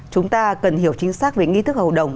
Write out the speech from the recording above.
chúng ta cần hiểu chính xác về nghi thức hầu đồng